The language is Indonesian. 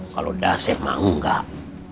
kalau dasep mau gak